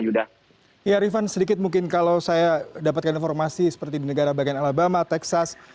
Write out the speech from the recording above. ya rifan sedikit mungkin kalau saya dapatkan informasi seperti di negara bagian alabama texas